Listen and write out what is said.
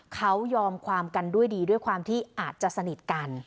เขายอมความกันด้วยดีด้วยความที่อาจจะสนิทกัน